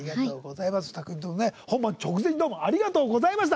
本番直前にどうもありがとうございました。